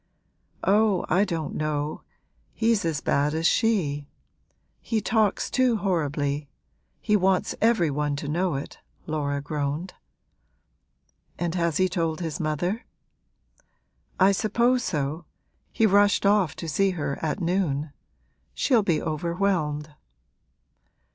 'Oh, I don't know, he's as bad as she; he talks too horribly he wants every one to know it,' Laura groaned. 'And has he told his mother?' 'I suppose so: he rushed off to see her at noon. She'll be overwhelmed.'